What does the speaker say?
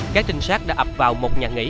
các trinh sát đã ập vào một nhà nghỉ